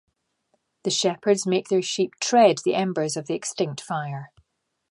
The shepherds make their sheep tread the embers of the extinct fire.